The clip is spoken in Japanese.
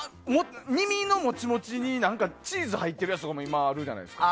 耳のもちもちにチーズ入ってるやつとかもあるじゃないですか。